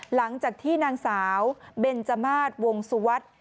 หลังจากที่นางสาวเบนจมาสวงสุวัสดิ์